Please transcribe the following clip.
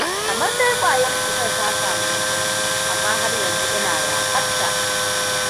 Kamar dai ƙwayar cutar ta sami masauki, amma har yanzu ina yaƙarta.